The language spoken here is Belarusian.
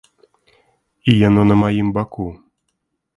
І яно на маім баку.